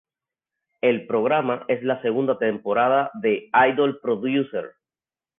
El programa es la segunda temporada de Idol Producer.